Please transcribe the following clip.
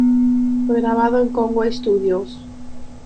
Fue grabado en Conway Studios.